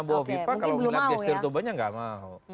bu hovipa kalau ngeliat gestur tubuhnya gak mau